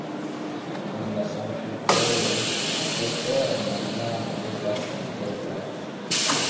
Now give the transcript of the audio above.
En la sankltejo eterna flamo estas videbla.